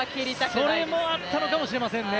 それもあったのかもしれませんね。